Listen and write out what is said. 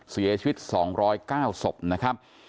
เสียชีวิต๒๐๙ศพนะครับ